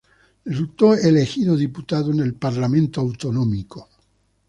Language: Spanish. Resultó elegido diputado en el parlamento autonómico.